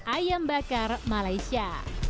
ayam bakar malaysia